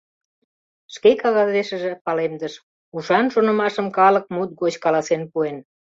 Шке кагазешыже палемдыш: «Ушан шонымашым калык мут гоч каласен пуэн.